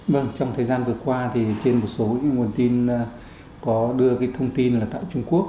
vâng trong thời gian vừa qua trên một số nguồn tin có đưa thông tin là tại trung quốc